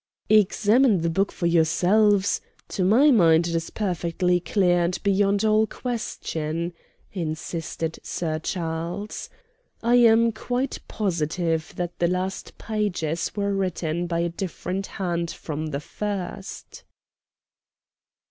"Examine the book for yourselves. To my mind it is perfectly clear and beyond all question," insisted Sir Charles. "I am quite positive that the last pages were written by a different hand from the first."